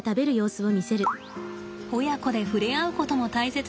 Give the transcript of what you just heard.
親子で触れ合うことも大切です。